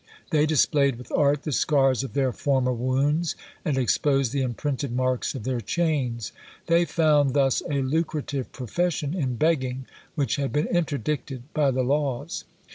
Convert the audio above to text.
They displayed with art the scars of their former wounds, and exposed the imprinted marks of their chains. They found thus a lucrative profession in begging, which had been interdicted by the laws.